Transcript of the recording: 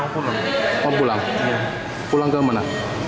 kepulang ke mana